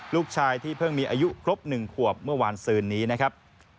ลูกชายที่เพิ่งมีอายุครบ๑ขวบเมื่อวานซืนนี้นะครับ